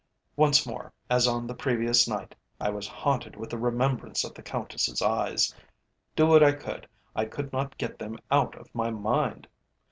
Once more, as on the previous night, I was haunted with the remembrance of the Countess's eyes; do what I would, I could not get them out of my mind.